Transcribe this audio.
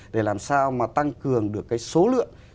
để làm sao mà tăng cường được cái số lượng